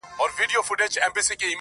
چي نه دي وي په خوا، هغه سي تا ته بلا.